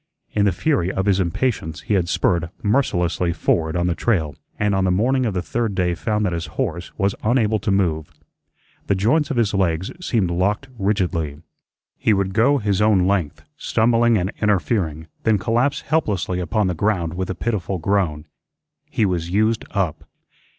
In the fury of his impatience he had spurred mercilessly forward on the trail, and on the morning of the third day found that his horse was unable to move. The joints of his legs seemed locked rigidly. He would go his own length, stumbling and interfering, then collapse helplessly upon the ground with a pitiful groan. He was used up.